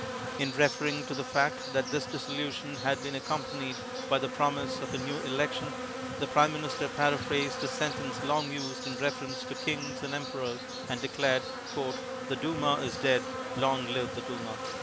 In referring to the fact that this dissolution had been accom panied by the promise of a new election, the Prime IMinister paraphrased a sentence long used in reference to Kings and Emperors and declared, "The Duma is dead; long live the Duma."